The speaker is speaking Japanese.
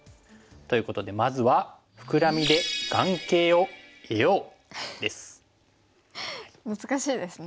ということでまずは難しいですね。